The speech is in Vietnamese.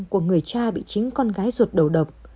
của người cha bị chính con gái ruột đầu độc